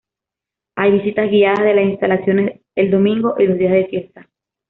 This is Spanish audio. Hay visitas guiadas de las instalaciones el domingo y los días de fiesta.